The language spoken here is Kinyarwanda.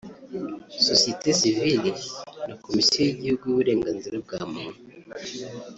Sosiyete Sivile na Komisiyo y’Igihugu y’Uburenganzira bwa Muntu